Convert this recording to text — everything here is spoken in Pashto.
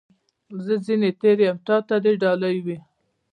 زه ځني تېر یم ، تا ته دي ډالۍ وي .